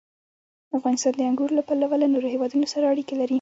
افغانستان د انګور له پلوه له نورو هېوادونو سره اړیکې لري.